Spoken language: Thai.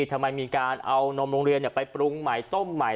ทำไมมีการเอานมโรงเรียนไปปรุงใหม่ต้มใหม่